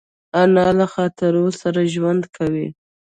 انا له خاطرو سره ژوند کوي